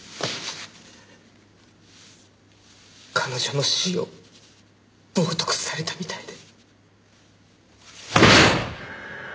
彼女の死を冒涜されたみたいで。